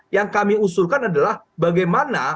yang kami usulkan adalah bagaimana